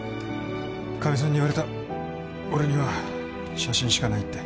カミさんに言われた「俺には写真しかない」って。